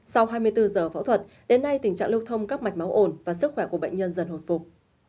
sau hai mươi bốn giờ phẫu thuật đến nay tình trạng lưu thông các mạch máu ổn và sức khỏe của bệnh nhân dần hồi phục